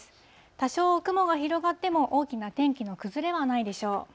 多少雲が広がっても、大きな天気の崩れはないでしょう。